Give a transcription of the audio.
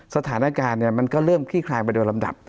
สถานการณ์มันก็เริ่มคลี่คลายไปโดยลำดับ